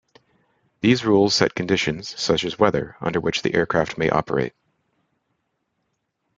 These rules set conditions, such as weather, under which the aircraft may operate.